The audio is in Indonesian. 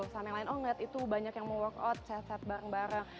sama yang lain oh niat itu banyak yang mau workout sehat sehat bareng bareng